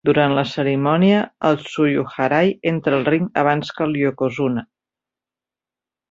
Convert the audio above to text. Durant la cerimònia, el "tsuyuharai" entra al ring abans que el "yokozuna".